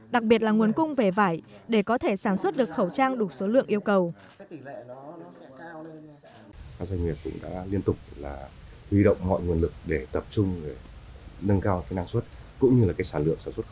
đặc biệt là nguồn cung về vải để có thể sản xuất được khẩu trang đủ số lượng yêu cầu